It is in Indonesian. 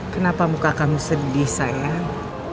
kenapa muka kami sedih sayang